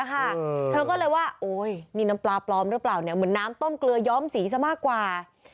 เธอก็เลยว่าโอ๊ยนี่น้ำปลาปลอมหรือเปล่าเนี่ยเหมือนน้ำต้มเกลือย้อมสีซะมากกว่า